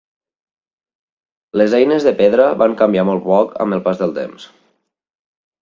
Les eines de pedra van canviar molt poc amb el pas del temps.